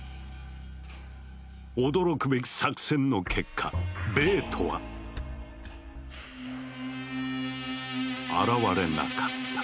驚くべき作戦の結果ベートは現れなかった。